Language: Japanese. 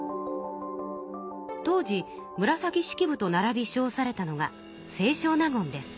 当時紫式部とならびしょうされたのが清少納言です。